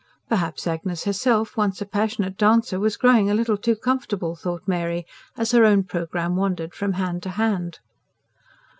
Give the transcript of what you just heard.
Perhaps Agnes herself, once a passionate dancer, was growing a little too comfortable, thought Mary, as her own programme wandered from hand to hand.